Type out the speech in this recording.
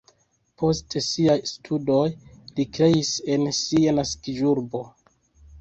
Post siaj studoj li kreis en sia naskiĝurbo.